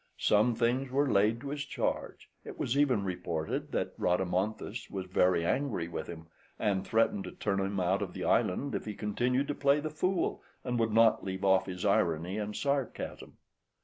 Some things were laid to his charge: it was even reported that Rhadamanthus was very angry with him, and threatened to turn him out of the island if he continued to play the fool, and would not leave off his irony and sarcasm.